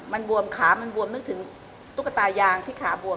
มันบวมขามันบวมนึกถึงตุ๊กตายางที่ขาบวม